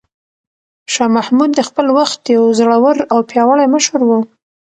شاه محمود د خپل وخت یو زړور او پیاوړی مشر و.